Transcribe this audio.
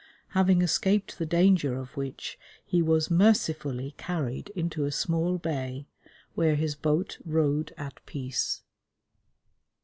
Having escaped the danger of which, he was mercifully carried into a small bay, where his boat rode at peace.